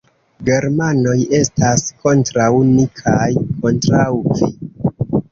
Germanoj estas kontraŭ ni kaj kontraŭ vi.